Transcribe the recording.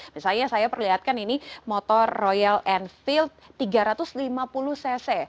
misalnya saya perlihatkan ini motor royal enfield tiga ratus lima puluh cc